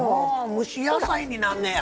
蒸し野菜になんねや！